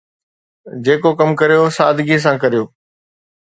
جيڪو ڪم ڪريو، سادگيءَ سان ڪريو